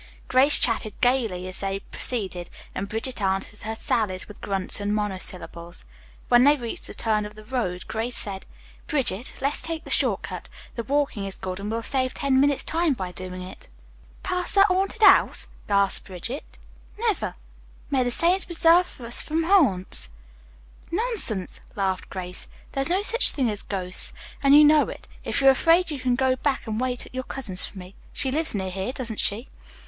Grace chatted gayly as they proceeded and Bridget answered her sallies with grunts and monosyllables. When they reached the turn of the road Grace said: "Bridget, let's take the short cut. The walking is good and we'll save ten minutes' time by doing it." "Phast that haunted house?" gasped Bridget. "Niver! May the saints presarve us from hants." "Nonsense," laughed Grace. "There are no such things as ghosts, and you know it. If you're afraid you can go back and wait at your cousin's for me. She lives near here, doesn't she?"